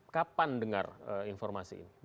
kapan dengar informasi ini